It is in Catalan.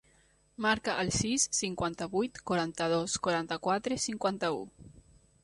Marca el sis, cinquanta-vuit, quaranta-dos, quaranta-quatre, cinquanta-u.